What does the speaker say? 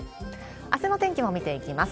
あすの天気も見ていきます。